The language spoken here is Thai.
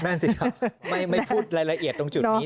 นั่นสิครับไม่พูดรายละเอียดตรงจุดนี้